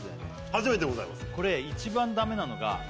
初めてでございます